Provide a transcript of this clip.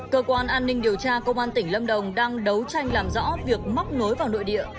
cơ quan an ninh điều tra công an tỉnh lâm đồng đang đấu tranh làm rõ việc móc nối vào nội địa